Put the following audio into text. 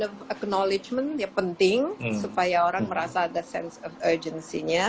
sebuah pengetahuan yang penting supaya orang merasa ada perasaan urgensinya